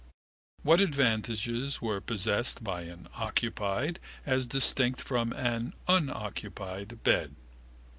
What advantages were possessed by an occupied, as distinct from an unoccupied bed?